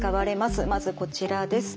まずこちらです。